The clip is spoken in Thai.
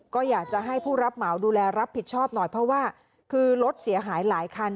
ก็อยากจะให้ผู้รับเหมาดูแลรับผิดชอบหน่อยเพราะว่าคือรถเสียหายหลายคัน